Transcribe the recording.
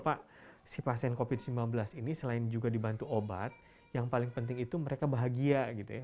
pak si pasien covid sembilan belas ini selain juga dibantu obat yang paling penting itu mereka bahagia gitu ya